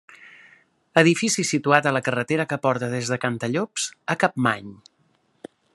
Edifici situat a la carretera que porta des de Cantallops a Capmany.